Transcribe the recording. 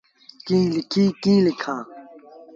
ڪيٚ ليٚکي ڪيٚ لکآݩ۔